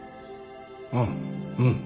あっうん